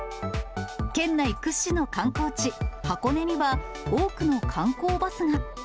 県内屈指の観光地、箱根には、多くの観光バスが。